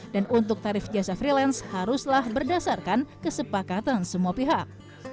dan untuk tarif jasa freelance haruslah berdasarkan kesepakatan semua pihak